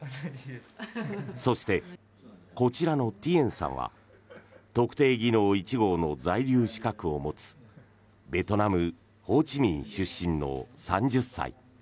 そして、こちらのティエンさんは特定技能１号の在留資格を持つベトナム・ホーチミン出身の３０歳。